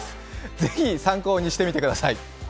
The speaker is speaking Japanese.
ぜひ参考にしてみてください。